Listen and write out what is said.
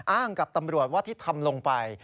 อ้างกับตำรวจว่าที่ทำลงไป